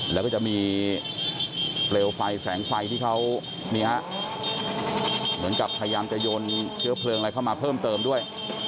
แล้วก็จะมีเปลวไฟแสงไฟที่เขาเหมือนกับพยายามจะโยนเชื้อเพลิงอะไรเข้ามาเพิ่มเติมด้วย